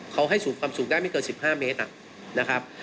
เขาให้สูงความสูงได้ไม่เกิน๑๕เมตรนะครับ